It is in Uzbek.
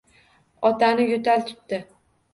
Otani yo`tal tutdi